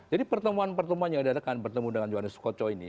jadi pertemuan pertemuan yang diadakan pertemuan dengan yohanes koco ini